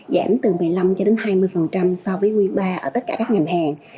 giảm từ một mươi năm cho đến hai mươi so với quý ba ở tất cả các ngành hàng